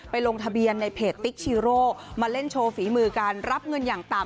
ลงทะเบียนในเพจติ๊กชีโร่มาเล่นโชว์ฝีมือการรับเงินอย่างต่ำ